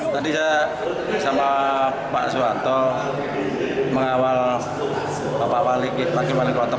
tadi saya bersama pak suwanto mengawal bapak pak likit bagaimana kewataan